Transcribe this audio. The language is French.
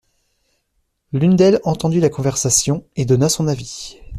L’une d’elle entendit la conversation et donna son avis.